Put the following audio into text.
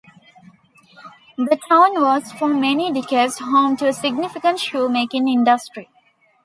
The town was for many decades home to a significant shoe-making industry.